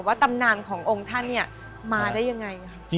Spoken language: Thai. ตำนานขององค์ท่านเนี่ยมาได้ยังไง